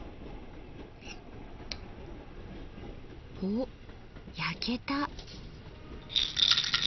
おっ焼けた！